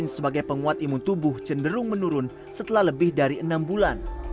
sebagai penguat imun tubuh cenderung menurun setelah lebih dari enam bulan